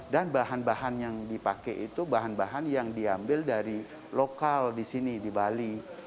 dan bahan bahan yang dipakai itu bahan bahan yang diambil dari lokal di sini di bali